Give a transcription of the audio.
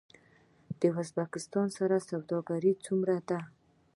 د ازبکستان سره سوداګري څومره ده؟